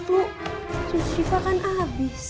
susu siva kan abis